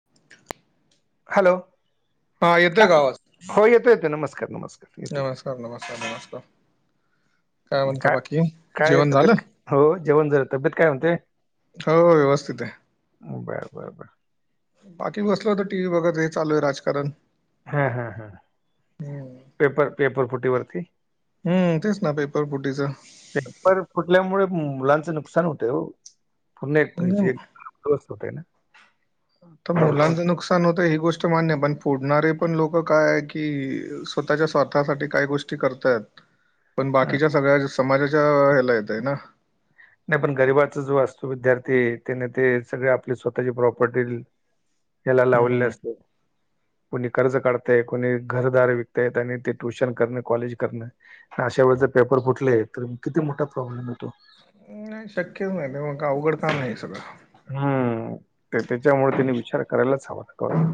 [unintelligible] Hello हा येतोय का वाज हो येतोय येतोय नमस्कार नमस्कार येतोय नमस्कार नमस्कार नमस्कार म्हणता काय बाकी काय जेवण झालं? तब्येत हो जेवण झाल तब्येत काय म्हणते हो व्यवस्थित आहे बर बर बर बाकी बसल होत टी व्ही बघत हे चालू आहे राजकारण हा हा हा हम्म. पेपर पेपर फुटीवरती हम् तेच ना पेपर फुटीच पेपर फुटल्यामुळे मुलांचं नुकसान होतं होफन एक म्हणजे वीजय पोस होतय ना आ मुलांचं नुकसान प्रॉब्लेम मुलांच नूकसान होतय ही गोष्ट मान्यय पण फोडणारे पण लोक काय की स्वतःच्या स्वारथासाठी काय गोष्ट करतायत पण बाकीच्या सगळ्या समाजाच्या ह्याला येतय ना नाही पण गरीबाचा जो असतो विद्यार्थी त्याने ते सगळे आपली स्वतःची प्रॉपर्टी ह्याला लावलेलं हम्म. असतेत. कोणी कर्ज काढतय, कोणी घरदारे विकतायत आणि ते ट्यूशन करणं, कॉलेज करणं. अशा वेळेस जर पेपर फुटले तर किती मोठा प्रॉब्लेम येतो. नाय शक्यच नाय ते अवघड काम आहे सगळं. हम्म ते त्याच्यामुळे त्यांनी विचार करायलाच हवा गवर्मेंट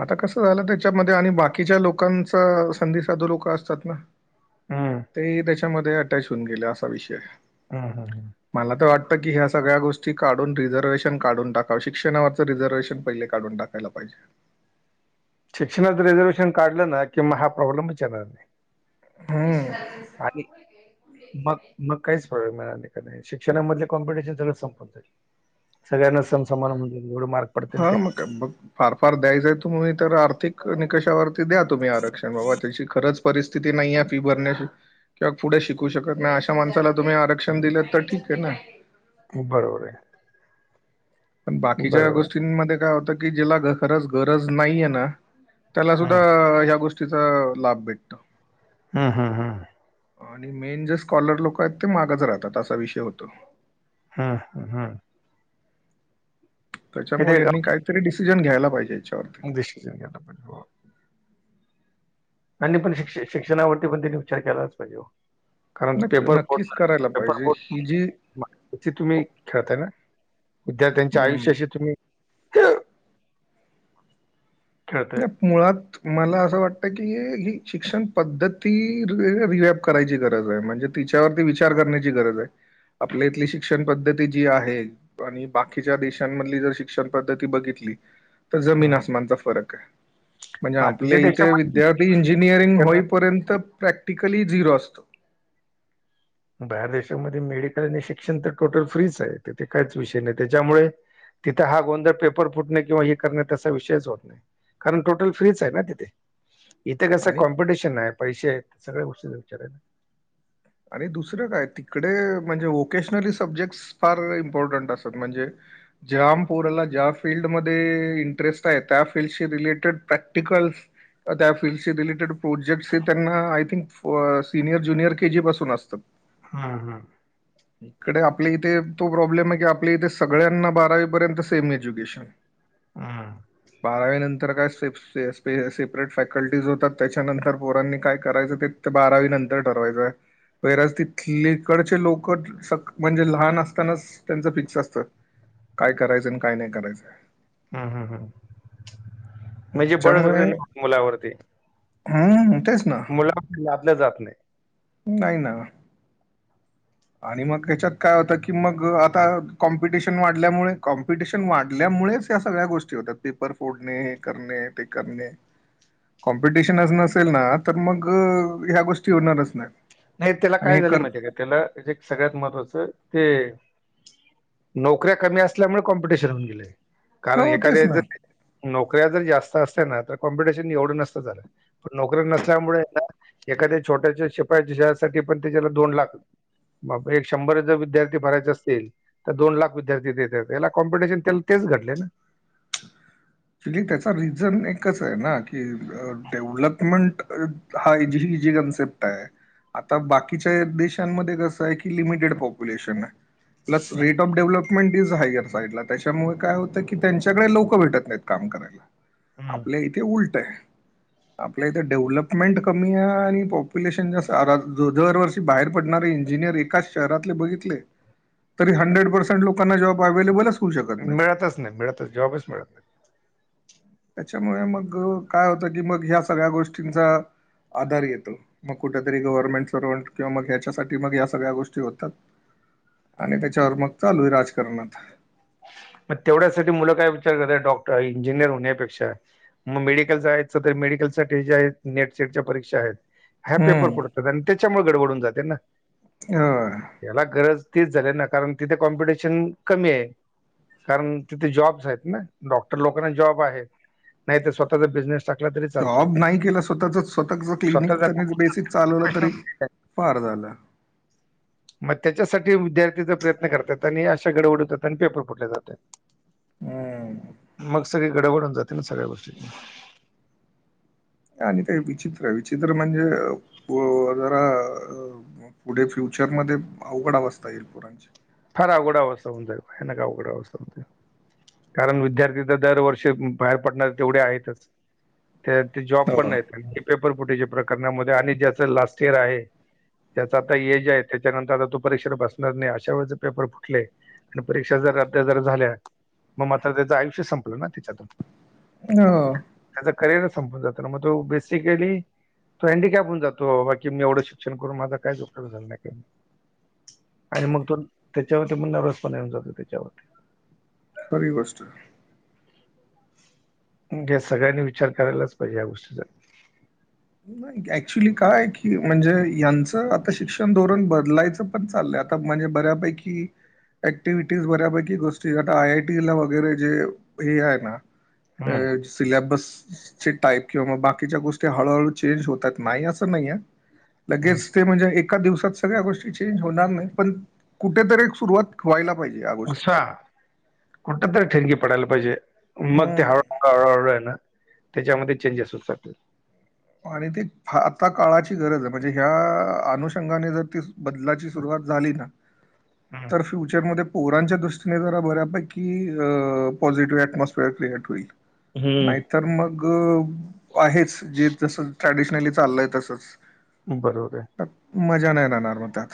आता कसं झालं त्याच्यामध्ये आणि बाकीच्या लोकांचा संधी साधू लोक असतात ना. हम्म. ते त्याच्यामध्ये अटॅच होऊन गेले असा विषय हम्म हम्म हम्म. मला तर वाटतं की ह्या सगळ्या गोष्टी काढून रिझर्व्हेशन काढून टाकाव. शिक्षणावरचं रिझर्व्हेशन पहिले काढून टाक. कायला पायजे. शिक्षणाचं रिझर्व्हेशन काढलं ना की मग हा प्रॉब्लेमच येणार नाय. हम्म. आणि. मग मग काहीच [unintelligible] मिळणार नाय का नाय शिक्षणामधले कॉम्पिटिशन सगळं संपून जाईल. सगळ्यांना सम समान एवढ मार हा मग का बघ फार फार द्यायचंय तुम्ही तर आर्थिक निकषावर द्या तुम्ही आरक्षण बाबा त्याची खरंच परिस्थिती नाहीये फी भरण्याची किंवा पुढे शिकू शकत नाही अशा माणसाला तुम्ही आरक्षण दिलं तर ठीक हे ना. बरोबर आहे. पण बाकीच्या बरोबर आहे. गोष्टींमध्ये काय होतं की जेला खरंच गरज नाहीेये ना. त्याला सुद्धा हम्म ह्या गोष्टीचा लाभ भेटतो. हम्म हम्म हम्म. आणि मेन जे स्कॉलर लोक आहेत ते मागचं राहतात असा विषय होतो. हम्म हम्म हम्म. हे त्याच्यामुळे ते यांनी कायतरी डिसिजन घ्यायला पाहिजे याच्यावर डिसिजन घ्यायला पायजे हो. त्यांनी पण शिक्ष आता काय शिक्षणावरती पण त्यांनी विचार केलाच पाहिजे हो. कारण नक्क पेपर बोट नक्कीच [unintelligible] करायला पेपर पाहिजे. बोट ही जी ते तुम्ही खेळताय ना विद्यार्थ्यांच्या हं. आयुष्याशी तुम्ही खेळतायत. नाही मुळात. मला असं वाटतं की ही शिक्षण पद्धती री रिवॅप करायची गरज हाय म्हणजे तिच्यावरती विचार करण्याची गरज आहे आपल्या इथली शिक्षण पद्धती जी आहे. आणि बाकीच्या देशांमधली जर शिक्षण पद्धती बघितली तर जमीन हं. आसमानचा फरक ये. म्हणजे आपल्या बाकीच्या इथे देशामध्ये विद्यार्थी इंजिनिअरिंग शेतकऱ्यांना होईपर्यंत प्रॅक्टिकली झिरो असतो. बाहेर देशामध्ये मेडिकल आणि शिक्षण तर टोटल फ्रीच आहे तिथे कायच विषय नाही त्याच्यामुळे तिथं हा गोंधळ पेपर फुटणे किंवा हे करणे तसा विषयच होत नाही. कारण टोटल फ्रीच हाय ना तिथे. इथे कसं आणि कॉम्पिटिशन हाय पैसे आहेत सगळ्या गोष्टीच विचार आहे ना. आणि दुसरं काय तिकडे म्हणजे व्होकेशनली सब्जेक्टस फार इम्पॉर्टंट असतात म्हणजे ज्या आम पोराला ज्या फिल्डमध्ये इंटरेस्ट आहे त्या फिल्डशी रिलेटेड प्रॅक्टिक्लस अह त्या फीलल्डचे रिलेटेड प्रोजेक्टस हे त्यांना I think senior junior KG पासून पुण असता. हा हा. इकडे आपल्या इथे तो प्रॉब्लेम आय की आपल्या इथे सगळ्यांना बारावी पर्यंत सेम एज्युकेशन. [inaudible] आ. बारावी नंतर काय स्टेप्स सेफ- सेपरेट फॅकल्टीज होतात. त्याच्यानंतर पोरांनी काय करायचं ते ते बारावी नंतर ठरवायचं. पैराज तिथली कडचे लोक कच म्हणजे लहान असतानाच त्यांचा फिक्स असत. काय करायचंय अन् काय नाय करायचं. हा हा हा म्हणजे त्याच्यामुळे बळजबरी नको मुलांवरती. हम्म तेच ना. आपल्या जात नाय. नाय ना. आणि मग ह्याच्यात काय होतं की मग आता कॉम्पिटिशन वाढल्यामुळे कॉम्पिटिशन वाढल्यामुळेच त्या सगळ्या गोष्टी होतात. पेपर फोडणे, हे करणे ते करणे. कॉम्पिटिशनच नसेल ना तर मग ह्या गोष्टी होणारच नाय. नाय त्याला काय झालय माहिती आय का? त्याला जे सगळ्यात महत्त्वाचं ते नोकऱ्या कमी असल्यामुळे कॉम्पिटिशन होऊन गेलेय. कारण हो तेच ना एखाद्याच नोकऱ्या जर जास्त असत्या ना तर कॉम्पिटिशन एवढं नसतं झालं. पण नोकऱ्या नसल्यामुळे ना एखाद्या छोट्याच्या शिपासाठी पण त्याच्याला पण दोन लाख बापरे एक शंभर जर विद्यार्थी भरायचे असतील त्यात दोन लाख विद्यार्थी देत्यात त्याला कॉम्पिटिशन तेच घडले ना. ॲक्च्युली त्याचा रिझन एकच आय ना की डेव्हलपमेंट हाय जीली हीजी कनसेप्ट आय. आता बाकीच्या देशांमध्ये कसं आय की लिमिटेड पॉप्युलेशन आय. Plus rate of development is higher साईडला त्याच्यामुळे काय होतं की त्यांच्याकडे लोक भेटत नायत. काम करायला हम्म. आपल्या इथे उलट आय. आपल्या इथे डेव्हलपमेंट कमी आय आणि पॉप्युलेशन जास्त दरवर्षी बाहेर पडणारे इंजिनियर एकाच शहरातले बघितले. तरी हंड्रेंड पर्सेंट लोकांना जॉब अविलेबलच मिळतच नाय मिळतच जॉबच मिळत नाय. त्याच्यामुळे मग काय होतं की, मग ह्या सगळ्या गोष्टींचा आधार येतो. मग कुठेतरी गव्हर्नमेंटच सरवंट किंवा मग ह्याच्यासाठी मग या सगळ्या गोष्टी होतात. आणि त्याच्यावर मग चालू आय राजकारण आता. म तेवढ्यासाठी मुलं काय विचार करतात डॉक इंजिनियर होण्यापेक्षा मग मेडिकलचा जायाचं तर मेडिकल साठी जे आहेत नेट, सेटच्या परीक्षा आहेत. ह्या पेपर हम्म. फुटतात आणि त्याच्यामुळे गडबडून जाते ना. होय. याला गरज तीच झाली ना कारण तिथे कॉम्पिटिशन कमी आय. कारण तिथे जॉब्स हायत ना डॉक्टर लोकांना जॉब आहेत नाय तर स्वतःचा बिझनेस टाकला तरी चालतो जॉब नाही केला स्वतःच स्वतःच क्लिनिक स्वतःचा त्यांनी बेसिक चालवलं तरी आहे. फार झालं. मग त्याच्यासाठी विद्यार्थीचा प्रयत्न करतात आणि आशा गडबड हुतात आणि पेपर फुटले जातय. हम्म. मग सगळी गडबड होऊन जाते ना सगळ्या गोष्टींची. आणि ते विचित्र विचित्र म्हणजे व जरा अ मग पुढे फ्युचरमध्ये अवघड अवस्था येईल पोरांच्या फार अवघड अवस्था होऊन जाईल आहे. भयानक अवघड अवस्था होऊन जाईल कारण विद्यार्थी तर दरवर्षी बाहेर पडणारे तेवढे आहेतच. त्यात ते जॉब पण हो. नाहीत. अण ते पेपर फुटीच्या प्रकरणामध्ये आणि ज्यांच लास्ट इयर आहे. त्याच आता एज आहे. त्याच्यानंतर आता तो परीक्षा बसणार नाही. अशा वेळेत जर पेपर फुटले आणि परीक्षा जर रद्द जर झाल्या. मग म आता त्याचं आयुष्य संपलं ना? त्याच्यातून हो त्याच करिअरच संपून जातं ना मग तो बेसिकली तो हँडीकॅप होऊन जातो बाबा मी एवढं शिक्षण करून माझा कायचं उपयोग झाला नाही काही नाही. आणि मग तो त्याच्यावरती पण नरवस पणा येऊन जातो त्याच्यावरती पण, खरी गोष्ट आहे म्हणजे सगळ्यांनी विचार करायलाच पाहिजे या गोष्टीचा. नाही ते ऍक्च्युली काय की म्हणजे यांचं आता शिक्षण धोरण बदलायचं, पण चाललंय आता म्हणजे बऱ्यापैकी ऍक्टिव्हिटीज बऱ्यापैकी गोष्टी आता आय आय टी ला वगैरे जे हे आहे ना हम्म, काय सिल्याबस सची टाईप किंवा बाकीच्या गोष्टी हळूहळू चेंज होतात नाही अस नाहीये लगेच, हम्म. ते म्हणजे एका दिवसात सगळ्या गोष्टी चेंज होणार नाहीत पण कुठेतरी सुरुवात व्हायला पाहिजे या असा गोष्टीची, कुठं तर ठिणगी पडायला पाहिजे मग ते हं हळूहळू हळू हळू आहे ना त्याच्यामध्ये चेंजेस होऊ शकतात. आणि ते फा आता काळाची गरज आहे म्हणजे ह्या.. अनुषंगाने जर ती बदलाची सुरुवात झाली ना, हम्म. तर फ्युचरमध्ये पोरांच्या दृष्टीने जरा बऱ्यापैकी अ.. पॉझिटिव्ह ऍटमॉस्फिअर क्रिएट होईल. हम्म तर मग आहेच जे जसं ट्रॅडिशनली चाललंय तसंच. बरोबर आहे त्यात मजा नाही राहणार मग त्यात,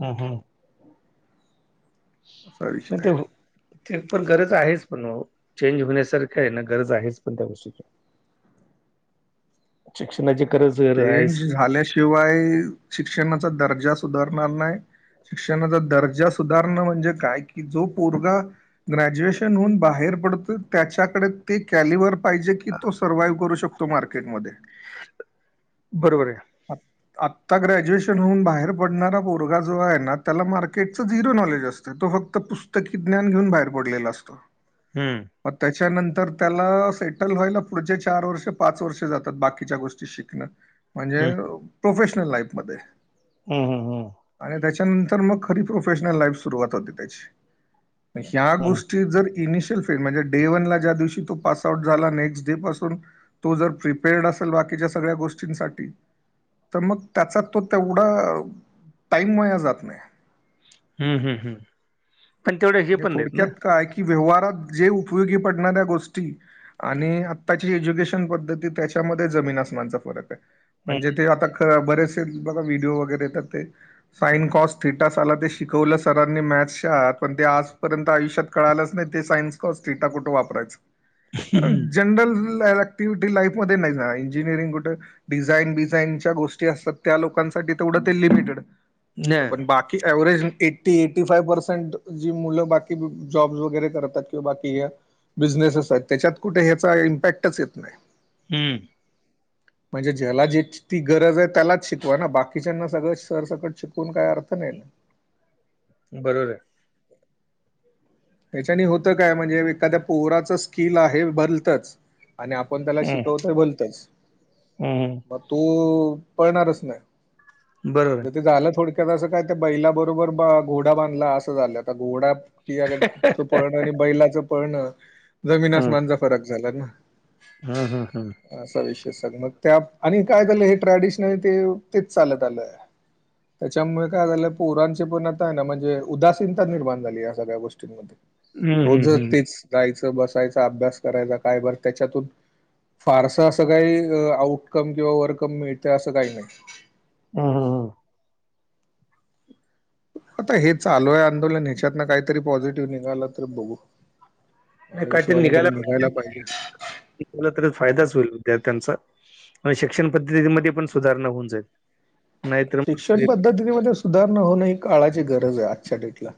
हम् हम् असा ना विषय ते आहे. होत. ते पण गरज आहेच पण ओ चेंज होण्यासारखी आहे ना गरज आहेच पण त्या गोष्टीची आज [unintelligible] शिक्षणाची गरज गरज आहेच. चेंज झाल्याशिवाय शिक्षणाचा दर्जा सुधारणार नाही. शिक्षणाचा दर्जा सुधारण म्हणजे काय कि जो पोरगं ग्रॅज्युएशन होऊन बाहेर पडतो त्याच्याकडे ते कॅलिव्हर पाहिजे की तो सर्व्हाइव्ह करू शकतो मार्केटमध्ये, बरोबर आहे आ आत्ता ग्रॅज्युएशन होऊन बाहेर पडणारा पोरगा जो आहे ना त्याला मार्केटच झिरो नॉलेज असतं जे तो फक्त पुस्तकी ज्ञान घेऊन बाहेर पडलेला असतो. हम्म मग त्याच्यानंतर त्याला सेटल व्हायला पुढचे चार वर्ष पाच वर्ष जातात बाकीच्या गोष्टी शिकन्यात म्हणजे हम्म. प्रोफेशनल लाईफमध्ये हम् हम् हम आणि त्याच्यानंतर मग खरी प्रोफेशनल लाईफ सुरुवात होती त्याची, ह्या हम्म गोष्टी जर इनिशियल म्हणजे डे वन ला ज्या दिवशी तो पास आउट झाला नेक्स्ट डे पासून पि- तो जर प्रिपेर्डश असेल बाकीच्या सगळ्या गोष्टींसाठी- तर मग त्याचा तो तेवढा टाईम वाया जात नाही. हम्म हम्म हम् पण तेवढ्या हे म्हणजे पण नाहीत ना, थोडक्यात काय की व्यवहारात जे उपयोगी पडणाऱ्या गोष्टी आणि आत्ताची एज्युकेशन पद्धती त्याच्यामध्ये जमीन आसमानचा फरक आहे. म्हणजे ते आता बरेचसे बघा व्हिडिओ वगैरे येतात ते साईन कॉस थिटसा आला ते शिकवलं सरांनी मॅथ्सच्या आत पण ते आजपर्यंत आयुष्यात कळालाच नाही ते सायन्स कॉस डेटा कुठे वापरायचं. हम्म. जनरल ऍक्टिव्हिटी लाईफमध्ये नाही ना इंजिनिअरिंग कुठे- डिझाईन बिझाईन च्या गोष्टी असतात त्या लोकांसाठी तेवढं ते लिमिटेड न पण बाकी एव्हरेज एटी एकी फार पसेटं- जी मुलं बाकी कुठं जॉब्स वगैरे करतात, किंवा बाकी हे- बिझनेस असा त्यांच्यांत कुठे ह्याचा इम्पॅक्टच येत नाही. हम्म म्हणजे जेला जी ती गरज आहे त्यालाच शिकवा ना, बाकीच्यांना सगळं सरसकट शिकवून काही अर्थ नाही ना. बरोबर आहे. हेच्याने होतं काय म्हणजे, एखाद्या पोहराचं स्किल आहे भदलतंच. आणि आपण त्याला हम्म शिकवतो भलतच. हम्म हम्म. तू पळणारच नाही बरोबर आहे. म्ह ते झालं थोड- असं कायतर त्या बैलाबरोबर घोडा बांधला असं झालं. आता घोडा- [inaudible] पळणारी बैलाच पळणजमीन आसमानचा फरक झाला ना. हम हम हम अस विषय सगळा मग त्या आणि काय झालं हे ट्रॅडिशनल ते तेच चालत आलंय. त्यांच्यामुळे काय झालं पोरांची पण आता आहे ना म्हणजे उदासीनता निर्माण झाली. या सगळ्या गोष्टी- हम्म हम्म रोज हम्म. तिचं जायचं बसायच अभ्यास करायचा काय बर त्यांच्यातून, फारस असं काही आउटकम किंवा वरकम मिळतं असं काही नाही. ह ह आता हे चालू आहे आंदोलन ह्याच्यातन काहीतरी पॉझिटिव्ह निघालं तर बघू, नाही मला हिशोबाने तरी निघायला पाहिजे. तील तर फायदाच होईल विद्यार्थ्यांचा. होय शिक्षण पद्धतीमध्ये पण, सुधारणा होऊन जाईल. नाहीतर मग शिक्षण ते- पद्धतीमध्ये सुधारणा होणं ही, काळाची गरज आहे. आजच्या डेटला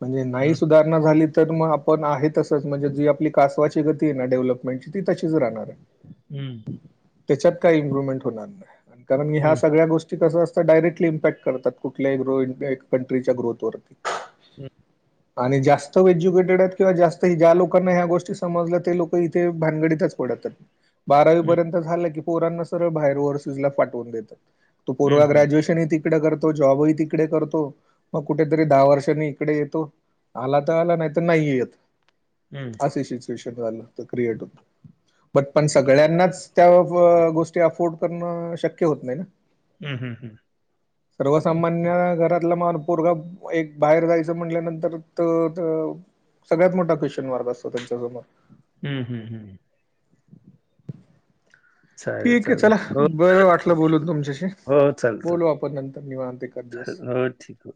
म्हणजे हम्म नाही सुधारणा- नाही झाली तर मग आपण आहे तसच म्हणजे जी आपली कासवाची गती आहे ना, डेव्हलपमेंटची ती तशीच राहणार. [inaudible] हम्म त्यांच्यात काही इम्प्रुव्हमेंट होणार नाही, कारण मी ह्या हम्म सगळ्या गोष्टी कस असतं, डायरेक्टली इम्पॅक्ट करतात, कुठल्याही कंट्रीच्या ग्रोथ वरती. हम्म आणि जास्त एज्युकेटेड आहेत, किंवा जास्त ज्या लोकांना ह्या गोष्टी समजल्या ते लोक- पण ते भानगडीतच पडत. बारावी पर्यंत झालं की, पोरांना सरळ बाहेर ओरसेसला पाटवून देतो. हम्म वं हम्म. ग्रॅज्युएशन येती. तिकडे करतो जॉबही तिकडे करतो मग कुठेतरी, दहा वर्षांनी इकडे येतो. आला तर, आला नाही तर नाही येत. हं, आससिच्युएशन झालं तर क्रिएट होत बट पण, सगळ्यांनाच. त्या ब ग गोष्टी अफोओर्ड करणं, शक्य होत नाहीं ना. हम् हम् हम सर्वसामान्य घरातला मन पोरग, एक बाहेर जायचं म्हटल्यानंतर त त सगळ्यात मोठा क्वेशन वर्ग असतो त्यांच्यासमोर हम्म हम हम्, चालेल, ठीक आहे चालेल. चला हो, बर वाटलं बोलून, तुमच्याशी बोलू आपण नंतर निवांत. एखाद दिवस [inaudible] ह ठीक ह